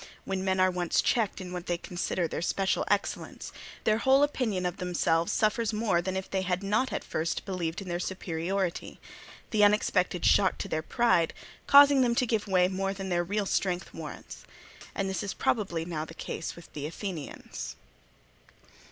When men are once checked in what they consider their special excellence, their whole opinion of themselves suffers more than if they had not at first believed in their superiority, the unexpected shock to their pride causing them to give way more than their real strength warrants; and this is probably now the case with the Athenians.